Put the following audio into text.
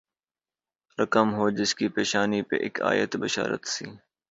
رقم ہو جس کی پیشانی پہ اک آیت بشارت سی